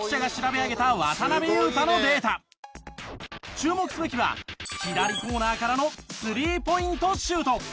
注目すべきは左コーナーからの３ポイントシュート。